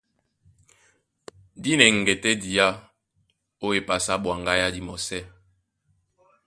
Di nɛŋgɛ́ tɛ́ diá ó epasi á ɓwaŋgá yá dimɔsɛ́.